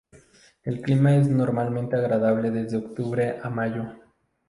El clima es normalmente agradable desde octubre a mayo.